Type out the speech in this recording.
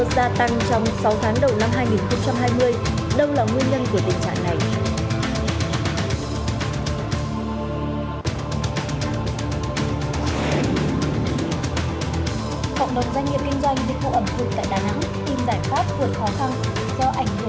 do ảnh hưởng của tổng cục huyết hình chính